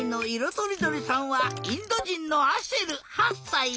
とりどりさんはインドじんのアシェル８さい。